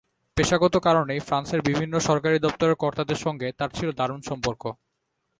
পেশাগত কারণেই ফ্রান্সের বিভিন্ন সরকারি দপ্তরের কর্তাদের সঙ্গে তাঁর ছিল দারুণ সম্পর্ক।